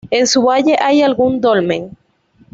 En su valle hay algún dolmen.